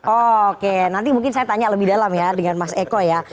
oke nanti mungkin saya tanya lebih dalam ya dengan mas eko ya